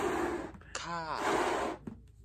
ค่า